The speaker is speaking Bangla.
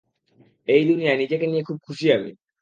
এই দুনিয়ায় নিজেকে নিয়ে খুব খুশি আমি।